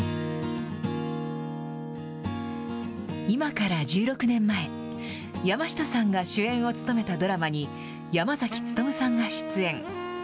今から１６年前、山下さんが主演を務めたドラマに、山崎努さんが出演。